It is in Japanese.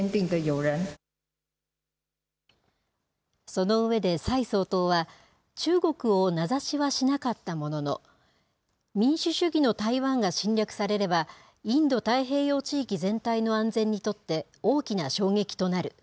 その上で、蔡総統は、中国を名指しはしなかったものの、民主主義の台湾が侵略されれば、インド太平洋地域全体の安全にとって大きな衝撃となる。